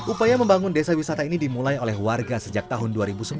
upaya membangun desa wisata ini dimulai oleh warga sejak tahun dua ribu sebelas